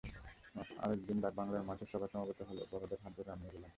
আরেক দিন ডাকবাংলোর মাঠে সবাই সমবেত হলো, বড়দের হাত ধরে আমিও গেলাম।